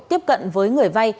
tiếp cận với người vay